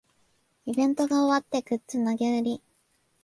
イベントが終わってグッズ投げ売り